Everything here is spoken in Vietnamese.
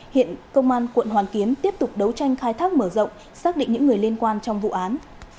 hiện công an quận hoàn kiếm tiếp tục đấu tranh khai thác mở rộng xác định những người liên quan trong vụ án